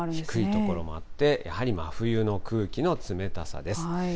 低い所もあって、やはり真冬の空気の冷たさです。